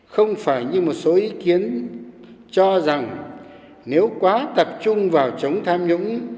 không phải như một số ý kiến cho rằng nếu quá tập trung vào chống tham nhũng